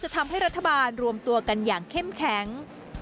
ทำให้รัฐบาลรวมตัวกันอย่างเข้มแข็ง